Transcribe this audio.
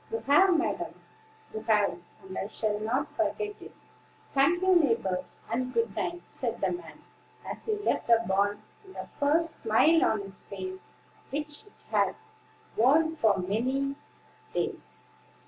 "You have, madam, you have; and I shall not forget it. Thank you, neighbors, and good night," said the man, as he left the barn, with the first smile on his face which it had worn for many days.